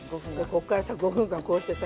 こっからさ５分間こうしてさ。